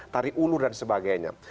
tari ulur dan sebagainya